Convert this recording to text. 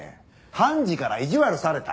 判事から意地悪された？